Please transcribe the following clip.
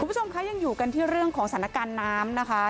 คุณผู้ชมคะยังอยู่กันที่เรื่องของสถานการณ์น้ำนะคะ